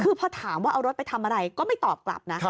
คือพอถามว่าเอารถไปทำอะไรก็ไม่ตอบกลับนะ